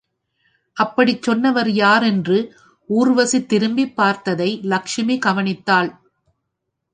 அப்படிச் சொன்னவர் யார் என்று ஊர்வசி திரும்பிப் பார்த்ததை லக்ஷ்மி கவனித்தாள்.